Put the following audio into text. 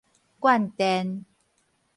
灌電